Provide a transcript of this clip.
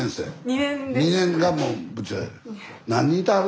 ２年がもう部長やる。